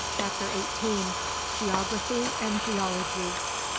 CHAPTER EIGHTEEN. GEOGRAPHY AND GEOLOGY.